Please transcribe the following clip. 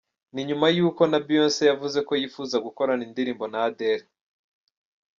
Ni nyuma y’uko na Beyonce yavuze ko yifuza gukorana indirimbo na Adele.